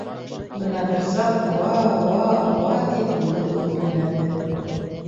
Бына бер саҡ уа-уа-уа тип бүре олоп ебәрҙе.